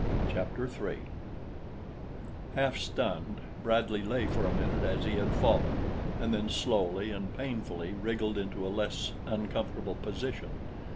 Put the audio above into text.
Chapter 3 Half stunned, Bradley lay for a minute as he had fallen and then slowly and painfully wriggled into a less uncomfortable position.